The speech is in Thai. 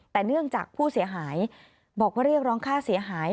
แต่เนื่องจากผู้เสียหายบอกว่าเรียกร้องค่าเสียหาย